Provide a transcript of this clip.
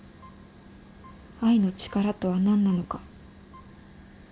愛の力とは何なのか。